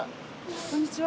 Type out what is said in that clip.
こんにちは。